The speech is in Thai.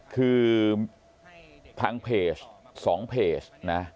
คือทางเพจ๒เพจนะ